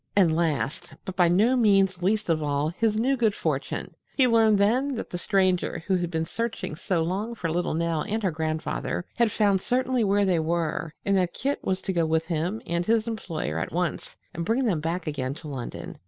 And last, but by no means least of all his new good fortune, he learned then that the Stranger who had been searching so long for little Nell and her grandfather had found certainly where they were and that Kit was to go with him and his employer at once and bring them back again to London.